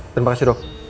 terima kasih dok